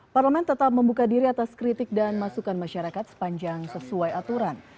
parlemen tetap membuka diri atas kritik dan masukan masyarakat sepanjang sesuai aturan